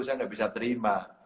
saya enggak bisa terima